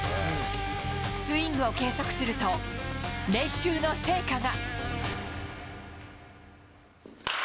スイングを計測すると、練習の成果が。